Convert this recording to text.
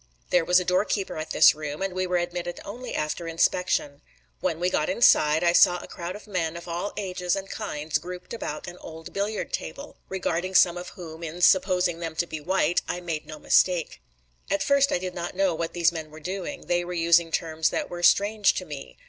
There was a door keeper at this room, and we were admitted only after inspection. When we got inside, I saw a crowd of men of all ages and kinds grouped about an old billiard table, regarding some of whom, in supposing them to be white, I made no mistake. At first I did not know what these men were doing; they were using terms that were strange to me.